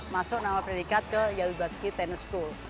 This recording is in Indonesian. masuk nama predikat ke yayu basuki tenis school